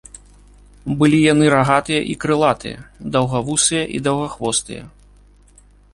Былі яны рагатыя і крылатыя, даўгавусыя і даўгахвостыя.